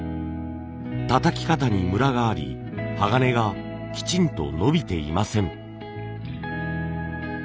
たたき方にムラがあり鋼がきちんと伸びていません。